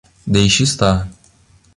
Deixe estar.